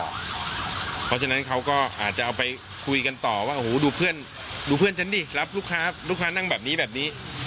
เพราะฉะนั้นเขาก็อาจจะเอาไปคุยกันต่อว่าโอ้โหดูเพื่อนดูเพื่อนฉันดิรับลูกค้าลูกค้านั่งแบบนี้แบบนี้